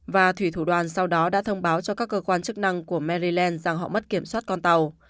và thủy thủ đoàn sau đó đã thông báo cho các cơ quan chức năng của merland rằng họ mất kiểm soát con tàu